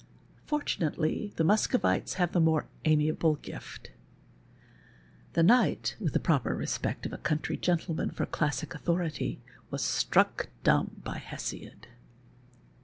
For tunately the Muscovites have the more amiable gift," The knight, with the proper respect of a country gentleman for classick authority, was struck dumb by Hesiod.